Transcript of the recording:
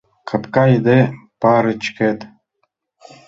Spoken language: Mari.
Капка йыде парычкет.